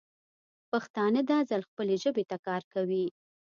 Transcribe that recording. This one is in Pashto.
پښتانه دا ځل خپلې ژبې ته کار کوي.